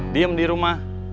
diem di rumah